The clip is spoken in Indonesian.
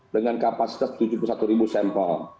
dengan kapasitas tujuh puluh satu sampel